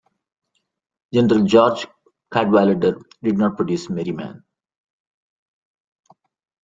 General George Cadwalader did not produce Merryman.